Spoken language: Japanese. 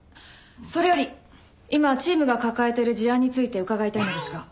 それより今チームが抱えている事案について伺いたいのですが。